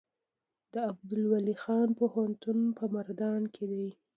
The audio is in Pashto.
د عبدالولي خان پوهنتون په مردان کې دی